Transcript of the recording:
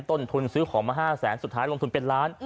ต้นทุนซื้อของมา๕แสนสุดท้ายลงทุนเป็นล้าน